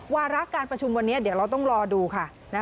วาระการประชุมวันนี้เดี๋ยวเราต้องรอดูค่ะ